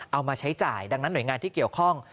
เอามาใช้จ่ายดังนั้นหน่วยงานที่เกี่ยวข้อง